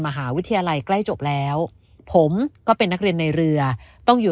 มหาวิทยาลัยใกล้จบแล้วผมก็เป็นนักเรียนในเรือต้องอยู่